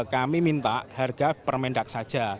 kami minta harga permendak saja